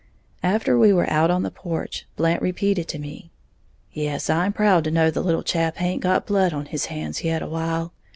After we were out on the porch, Blant repeated to me, "Yes, I am proud to know the little chap haint got blood on his hands yet awhile.